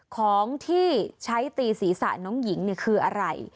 ของที่ใช้ตีศีรษะน้องหญิงคืออะไร